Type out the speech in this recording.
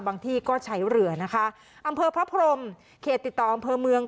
ที่ก็ใช้เรือนะคะอำเภอพระพรมเขตติดต่ออำเภอเมือง